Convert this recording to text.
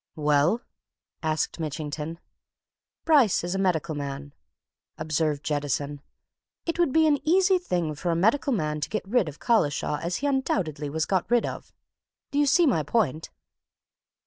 "Well?" asked Mitchington. "Bryce is a medical man," observed Jettison. "It would be an easy thing for a medical man to get rid of Collishaw as he undoubtedly was got rid of. Do you see my point?"